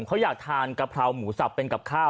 เขาอยากทานกะเพราหมูสับเป็นกับข้าว